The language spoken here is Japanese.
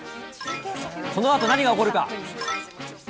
このあと何が起こるか。